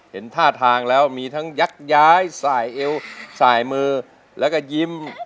เห็นท่าทางแล้วมีทั้งยักย้ายสายเอวสายมือแล้วก็ยิ้ม